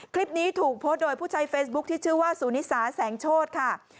คลิปนี้ถูกโพสต์โดยผู้ใช้เฟซบุ๊คที่ชื่อว่าสุนิสาแสงโชธค่ะ